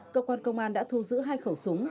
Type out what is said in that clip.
cơ quan công an đã thu giữ hai khẩu súng